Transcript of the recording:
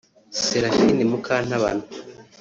Séraphine Mukantabana